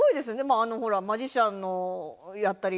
あのマジシャンのやったり。